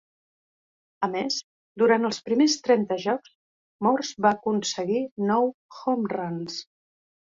A més, durant els primers trenta jocs, Morse va aconseguir nou "home runs".